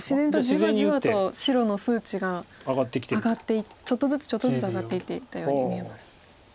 自然とじわじわと白の数値がちょっとずつちょっとずつ上がっていっていたように見えます。